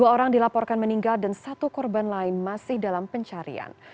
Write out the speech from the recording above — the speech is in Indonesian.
dua orang dilaporkan meninggal dan satu korban lain masih dalam pencarian